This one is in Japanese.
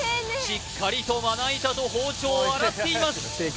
しっかりとまな板と包丁を洗っています